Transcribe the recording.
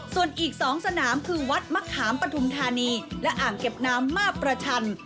ส่วนอีก๒สนามคือวัดมะขามปฐุมธานีและอ่างเก็บน้ำมาประชัน